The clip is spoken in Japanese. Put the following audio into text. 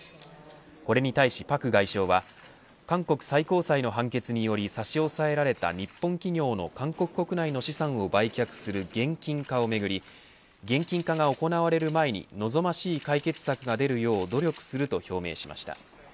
これに対し朴外相は韓国最高裁の判決により差し押さえられた日本企業の韓国国内の資産を売却する現金化をめぐり現金化が行われる前に望ましい解決策が出るよう努力すると表明しました。